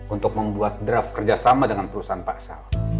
untuk membuat draft kerjasama dengan perusahaan pak asal